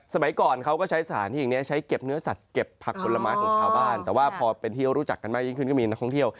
สมัยก่อนเขาก็ใช้สถานที่เนี่ย